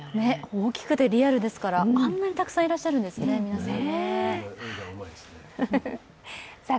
大きくてリアルですから、あんなにたくさんいらっしゃるんですね、皆さん。